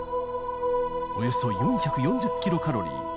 およそ４４０キロカロリー。